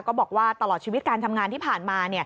บอกว่าตลอดชีวิตการทำงานที่ผ่านมา